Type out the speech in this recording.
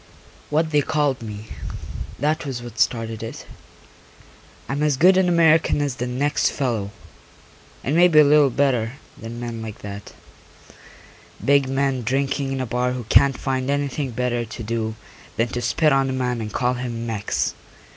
What they called me, that was what started it. I'm as good an American as the next fellow, and maybe a little bit better than men like that, big men drinking in a bar who can't find anything better to do than to spit on a man and call him Mex.